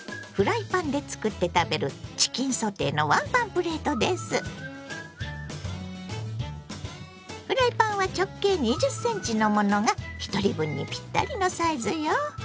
フライパンで作って食べるフライパンは直径２０ｃｍのものがひとり分にぴったりのサイズよ。